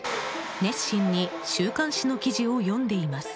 熱心に週刊誌の記事を読んでいます。